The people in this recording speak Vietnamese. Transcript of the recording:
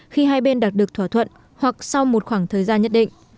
khi hai bên đạt được thỏa thuận hoặc sau một khoảng thời gian nhất định